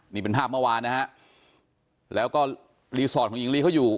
นี่เป็นภาพเมื่อวานนะฮะแล้วก็รีสอร์ทของหญิงลีเขาอยู่